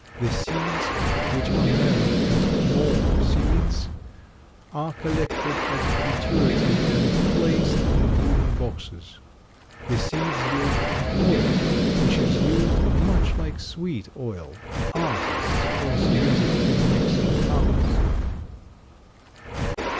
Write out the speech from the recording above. The seeds, which are known as maw seeds, are collected at maturity and placed in wooden boxes. The seeds yield an oil which is used much like sweet oil; artists also use it in mixing colors.